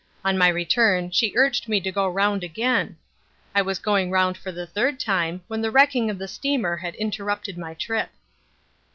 On my return she urged me to go round again. I was going round for the third time when the wrecking of the steamer had interrupted my trip.